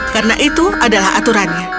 karena itu adalah aturannya